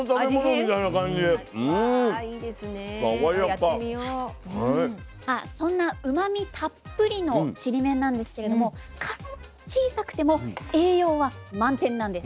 さあそんなうまみたっぷりのちりめんなんですけれども体が小さくても栄養は満点なんです。